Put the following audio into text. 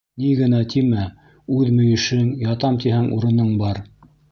Ни генә тимә, үҙ мөйөшөң, ятам тиһәң урының бар.